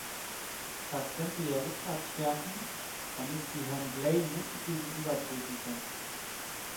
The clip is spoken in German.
Das könnte ihr Rückgrat stärken, damit sie Herrn Blair mutig gegenübertreten können.